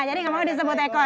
jadi enggak mau disebut ekor